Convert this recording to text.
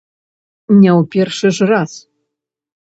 Не ў першы ж раз!